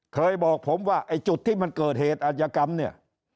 เคยบอกผมว่าไอ้จุดที่มันเกิดเหตุอาจยกรรมเนี่ย